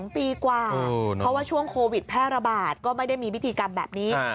๒ปีกว่าเพราะว่าช่วงโควิดแพร่ระบาดก็ไม่ได้มีพิธีกรรมแบบนี้